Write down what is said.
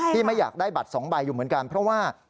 ไม่อยากได้บัตร๒ใบอยู่เหมือนกันเพราะว่า